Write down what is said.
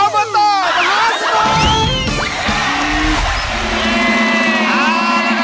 อบอตตอร์มหาสนุก